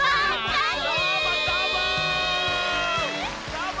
どーも！